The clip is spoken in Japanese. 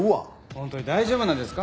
本当に大丈夫なんですか？